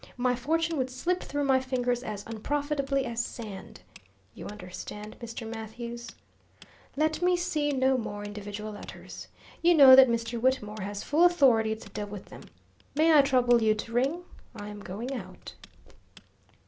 My fortune would slip through my fingers as unprofitably as sand. You understand, Mr. Mathews? Let me see no more individual letters. You know that Mr. Whittemore has full authority to deal with them. May I trouble you to ring? I am going out."